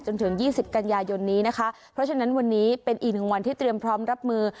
จนถึงยี่สิบกันยายนนี้นะคะเพราะฉะนั้นวันนี้เป็นอีกหนึ่งวันที่เตรียมพร้อมรับมือ